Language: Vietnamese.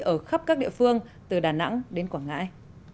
ở khắp các địa phương từ đà nẵng đến quảng ngãi